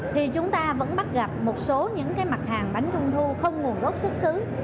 thì chúng ta vẫn bắt gặp một số những mặt hàng bánh trung thu không nguồn gốc xuất xứ